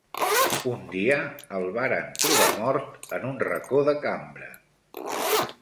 Un dia el varen trobar mort en un reco de cambra.